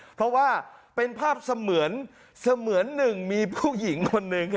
เพราะว่าเป็นภาพเสมือนเสมือนหนึ่งมีผู้หญิงคนหนึ่ง